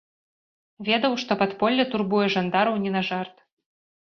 Ведаў, што падполле турбуе жандараў не на жарт.